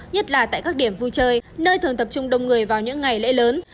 nhất là tại các điểm vui chơi nơi thường tập trung đông người vào những ngày lễ lớn